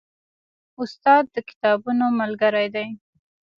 استاد د کتابونو ملګری دی.